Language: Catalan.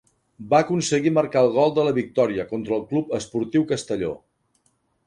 Va aconseguir marcar el gol de la victòria, contra el Club Esportiu Castelló.